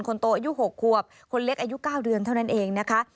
คนโตอายุ๖ควบคนเล็กอายุ๙เดือนเท่านั้นเองนะคะ